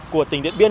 của tỉnh điện biên